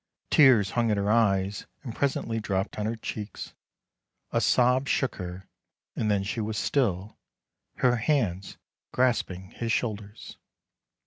Tears hung at her eyes, and presently dropped on her cheeks, a sob shook her, and then she was still, her hands grasping his shoulders.